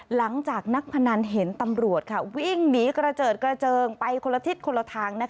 หลังจากนักพนันเห็นตำรวจวิ่งหนีกระเจิดกระเจิงไปคนละทิศคนละทาง